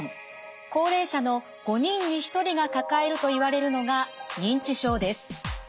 高齢者の５人にひとりが抱えるといわれるのが認知症です。